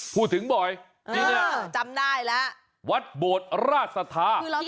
พูดถึงบ่อยจำได้แบบวัดโบตรราศทะ